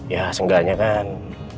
ya seenggaknya kan